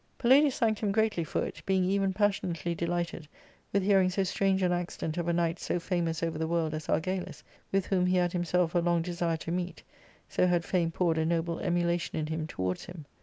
Palladius thanked him greatly for it, being even passion ,• ately delighted with hearing so strange an accident of a knight so famous over the world as Argalus, with whom he had himself a long desire to meet, so had fame poured a noble emulation in him towards him.